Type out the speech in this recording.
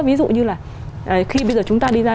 ví dụ như là khi bây giờ chúng ta đi ra